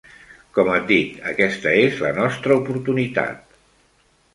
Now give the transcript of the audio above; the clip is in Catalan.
Com et dic, aquesta és la nostra oportunitat.